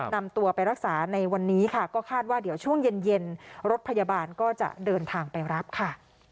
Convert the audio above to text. นำตัวไปรักษาในวันนี้ค่ะก็คาดว่าเดี๋ยวช่วงเย็นเย็นรถพยาบาลก็จะเดินทางไปรับค่ะ